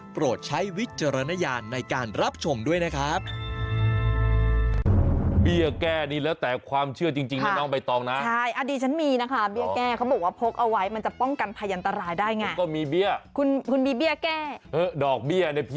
โปรดใช้วิจารณญาณในการรับชมด้วยนะครับ